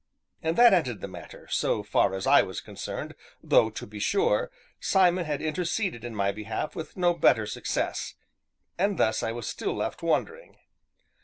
And that ended the matter, so far as I was concerned, though, to be sure, Simon had interceded in my behalf with no better success; and thus I was still left wondering.